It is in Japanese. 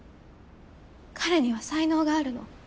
彼には才能があるの。